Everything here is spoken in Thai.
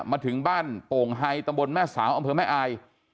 มาถึงบ้านโป่งไฮตำบลแม่สาวอำเภอแม่อาย